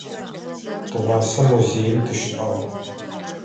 Тыгъуасэ музеим тыщыӏагъ.